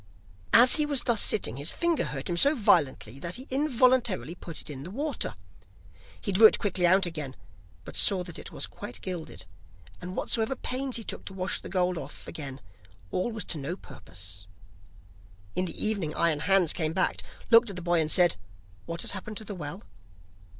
As he was thus sitting, his finger hurt him so violently that he involuntarily put it in the water. He drew it quickly out again, but saw that it was quite gilded, and whatsoever pains he took to wash the gold off again, all was to no purpose. In the evening Iron Hans came back, looked at the boy, and said: 'What has happened to the well?